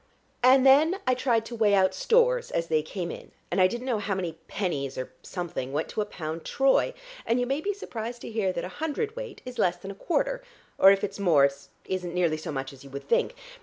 And then I tried to weigh out stores as they came in, and I didn't know how many pennies or something went to a pound Troy. And you may be surprised to hear that a hundred weight is less than a quarter, or if it's more it isn't nearly so much more as you would think.